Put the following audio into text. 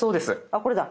あっこれだ。